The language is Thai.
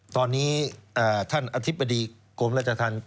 ตอนนี้ท่านอธิบดีกรมราชธรรม